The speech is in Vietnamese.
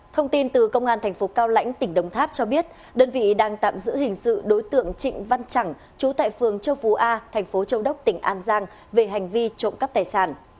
thông tin từ công an thành phố cao lãnh tỉnh đồng tháp cho biết đơn vị đang tạm giữ hình sự đối tượng trịnh văn chẳng trú tại phường châu phú a thành phố châu đốc tỉnh an giang về hành vi trộm cắp tài sản